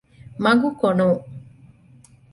މަގުކޮނުން